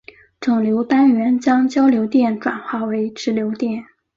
整流单元将交流电转化为直流电。